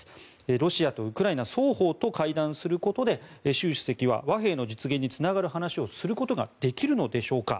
ロシアとウクライナ双方と会談することで習主席は和平の実現につながる話をすることができるのでしょうか。